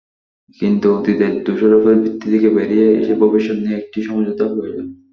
কিন্তু অতীতের দোষারোপের বৃত্ত থেকে বেরিয়ে এসে ভবিষ্যৎ নিয়ে একটি সমঝোতা প্রয়োজন।